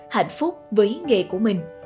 hạnh phúc với nghề của mình